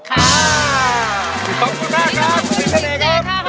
ขอบคุณมากครับคุณสิงส์เสน่ห์ครับ